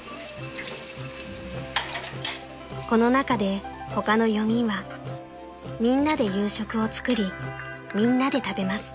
［この中で他の４人はみんなで夕食を作りみんなで食べます］